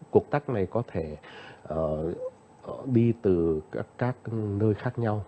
cuộc tắc này có thể đi từ các nơi khác nhau